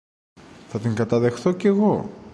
θα την καταδεχθώ κι εγώ.